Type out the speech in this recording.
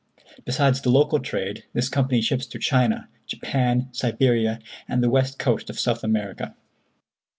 Besides the local trade, this company ships to China, Japan, Siberia and the west coast of South America.